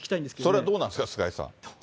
それはどうなんですか、菅井さん。